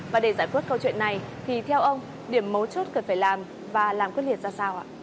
và để giải quyết câu chuyện này thì theo ông điểm mấu chốt cần phải làm và làm quyết liệt ra sao ạ